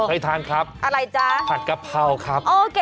เคยทานครับผัดกะเพราครับอะไรจ๊ะ